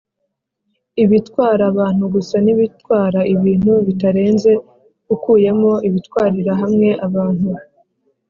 ibitwara abantu gusa n’ibitwara ibintu bitarenze ukuyemo Ibitwarira hamwe abantu